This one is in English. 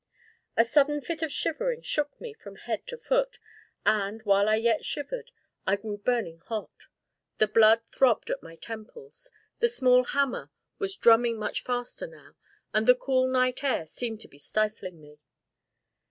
A sudden fit of shivering shook me from head to foot, and, while I yet shivered, I grew burning hot; the blood throbbed at my temples, the small hammer was drumming much faster now, and the cool night air seemed to be stifling me.